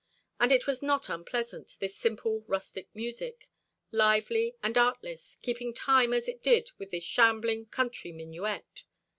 And it was not unpleasant, this simple rustic music, lively and artless, keeping time as it did with this shambling country minuet.